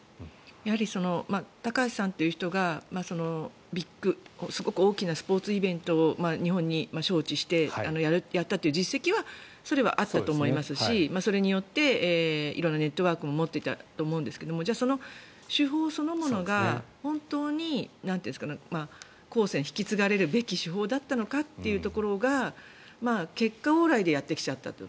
やはり高橋さんという方がすごく大きなスポーツイベントを日本に招致してやったという実績はそれはあったと思いますしそれによって色んなネットワークも持っていたと思うんですけどじゃあその手法そのものが本当に後世に引き継がれるべき手法だったのかというところが結果オーライでやってきちゃったと。